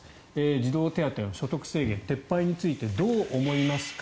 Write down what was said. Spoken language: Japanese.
児童手当の所得制限撤廃についてどう思いますか。